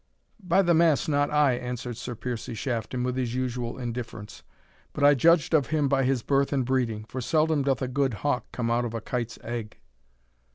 "By the mass, not I," answered Sir Piercie Shafton, with his usual indifference. "I but judged of him by his birth and breeding; for seldom doth a good hawk come out of a kite's egg."